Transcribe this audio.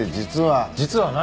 実は何？